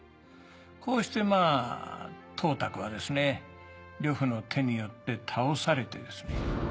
こうしてまぁ董卓はですね呂布の手によって倒されてですね